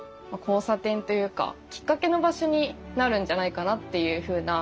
きっかけの場所になるんじゃないかなっていうふうな。